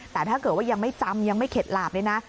แต่ถ้าเกิดว่ายังไม่จำยังไม่เข็ดหลาบเนี่ยนะ